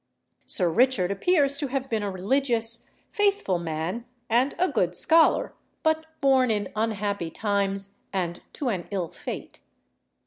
Sir Richard appears to have been a religious, faithful man and a good scholar, but born in unhappy times and to an ill fate.